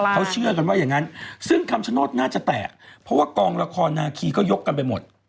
เขาเชื่อกันว่าอย่างนั้นโดยคุณกองละครนาคีย็ยกกันไปหมด